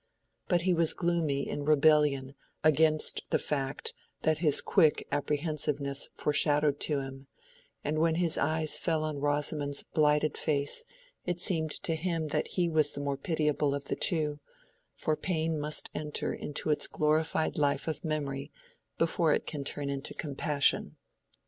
But he was in gloomy rebellion against the fact that his quick apprehensiveness foreshadowed to him, and when his eyes fell on Rosamond's blighted face it seemed to him that he was the more pitiable of the two; for pain must enter into its glorified life of memory before it can turn into compassion.